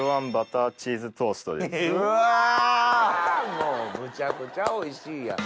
もうむちゃくちゃおいしい！